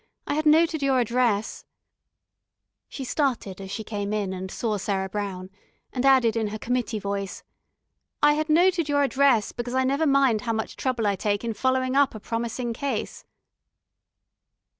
I had noted your address " She started as she came in and saw Sarah Brown, and added in her committee voice: "I had noted your address, because I never mind how much trouble I take in following up a promising case."